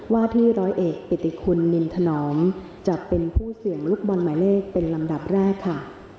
ว่าที่ร้อยเอกปิติคุณนินถนอมจะเป็นผู้เสี่ยงลูกบอลหมายเลขเป็นลำดับแรกค่ะ